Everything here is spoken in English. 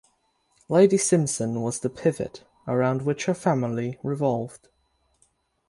Lady Simpson was the pivot around which her family revolved.